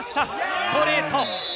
ストレート。